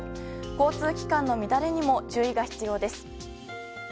交通機関の乱れにも注意が必要です。